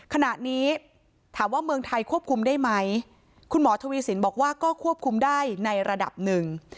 ขณะนี้ถามว่าเมืองไทยควบคุมได้ไหมคุณหมอทวีสินบอกว่าก็ควบคุมได้ในระดับหนึ่ง